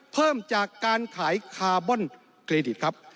เพิ่มจากการขายคาร์บอนเครดิตครับ